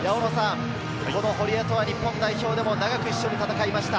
堀江とは日本代表でも長く一緒に戦いました。